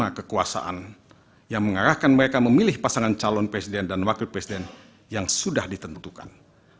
karena kekuasaan yang mengarahkan mereka memilih pasangan calon presiden dan wakil presiden yang sudah ditentukan